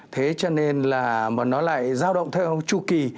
thế cho nên là nó lại giao động theo tru kỳ